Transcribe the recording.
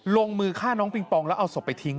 ลงมือฆ่าน้องปิงปองแล้วเอาศพไปทิ้ง